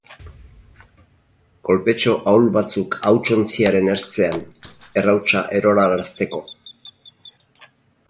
Kolpetxo ahul batzuk hautsontziaren ertzean, errautsa erorarazteko.